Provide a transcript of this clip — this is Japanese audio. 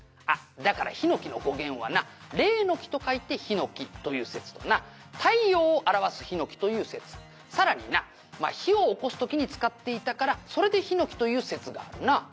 「あっだから檜の語源はな霊の木と書いて檜という説とな太陽を表す日の木という説さらにな火をおこす時に使っていたからそれで火の木という説があるな」